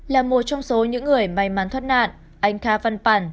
là một trong số những người may mắn thoát nạn anh kha văn pẳn